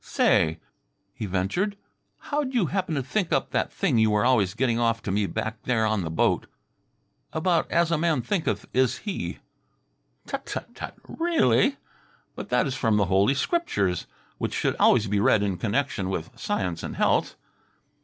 "Say," he ventured, "how'd you happen to think up that thing you were always getting off to me back there on the boat about as a man thinketh is he?" "Tut tut tut! Really? But that is from the Holy Scriptures, which should always be read in connection with Science and Health."